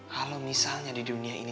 kalau misalnya di dunia ini